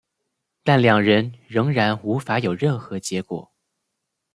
但两人仍然无法有任何结果。